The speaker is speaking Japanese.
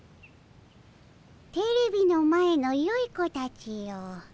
テレビの前のよい子たちよ。